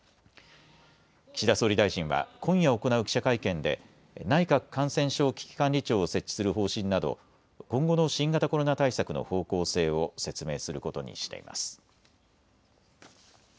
岸田総理大臣は今夜行う記者会見で内閣感染症危機管理庁を設置する方針など今後の新型コロナ対策の方向性を説明することにしています。